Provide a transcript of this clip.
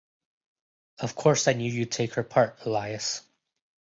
Of course I knew you’d take her part, Elias.